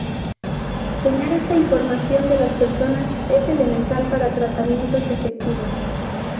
Tener esta información de las personas es elemental para tratamientos efectivos.